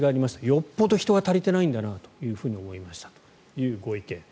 よっぽど人が足りていないんだなと思いましたというご意見。